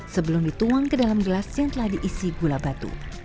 sebelum dituang ke dalam gelas yang telah diisi gula batu